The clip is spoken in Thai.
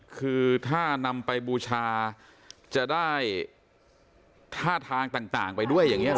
คือถ้านำไปบูชาจะได้ท่าทางต่างไปด้วยอย่างนี้หรอ